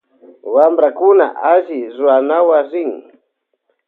Wamprakuna alli runatawan rin.